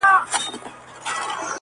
پر چنارونو به یې کښلي قصیدې وي وني -